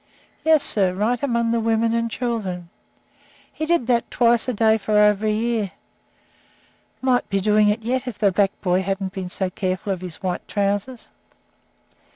"Yes, sir, right among the women and children. He did that twice a day for over a year. Might be doing it yet if the black boy hadn't been so careful of his white trousers."